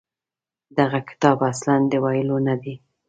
دغه کتاب اصلاً د ویلو نه دی.